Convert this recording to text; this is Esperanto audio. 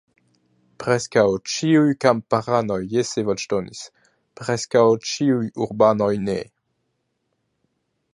Preskaŭ ĉiuj kamparanoj jese voĉdonis; preskaŭ ĉiuj urbanoj nee.